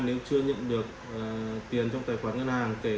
nếu chưa nhận được tiền trong tài khoản ngân hàng